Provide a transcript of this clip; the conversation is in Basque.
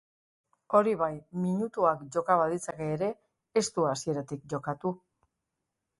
Hori bai, minutuak joka baditzake ere ez du hasieratik jokatu.